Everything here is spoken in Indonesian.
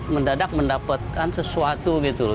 mendadak mendapatkan sesuatu gitu loh